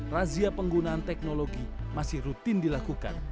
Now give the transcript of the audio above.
razia penggunaan teknologi masih rutin dilakukan